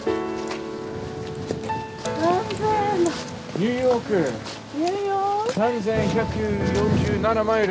ニューヨーク３，１４７マイル。